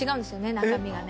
中身がね。